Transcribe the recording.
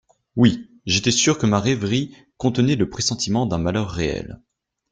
Oui, j'étais sûre que ma rêverie contenait le pressentiment d'un malheur réel.